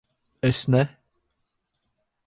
Es ne...